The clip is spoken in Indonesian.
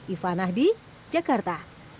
ivana di jakarta